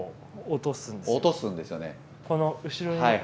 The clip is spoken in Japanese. この後ろに。